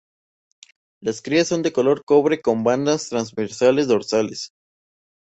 La crías son de color cobre con bandas transversales dorsales.